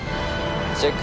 チェック。